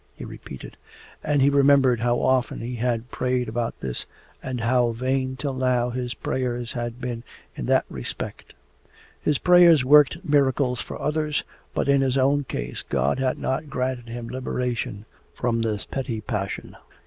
he repeated, and he remembered how often he had prayed about this and how vain till now his prayers had been in that respect. His prayers worked miracles for others, but in his own case God had not granted him liberation from this petty passion.